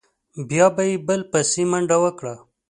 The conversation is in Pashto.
بیا به یې بل بسې منډه وکړه.